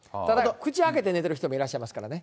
口開けて寝てる方もいらっしゃいますからね。